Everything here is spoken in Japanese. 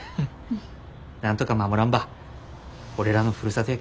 なんとか守らんば俺らのふるさとやけん。